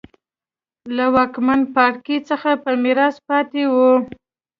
له واکمن پاړکي څخه په میراث پاتې وو.